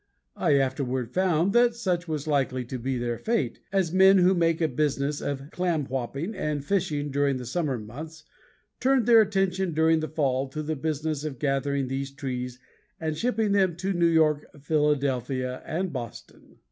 I afterward found that such was likely to be their fate, as men who make a business of "clam whopping" and fishing during the summer months turned their attention during the fall to the business of gathering these trees and shipping them to New York, Philadelphia, and Boston.